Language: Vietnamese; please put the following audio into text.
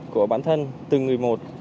của bản thân từ người một